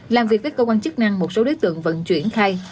làm việc với cơ quan chức năng một số đối tượng vận chuyển khai